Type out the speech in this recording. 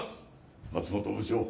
松本部長。